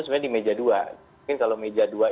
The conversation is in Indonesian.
sebenarnya di meja dua mungkin kalau meja dua